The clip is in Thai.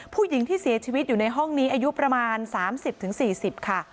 ผู้หญิงที่เสียชีวิตอยู่ในห้องนี้อายุประมาณ๓๐๔๐ค่ะ